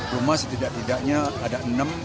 rumah setidak tidaknya ada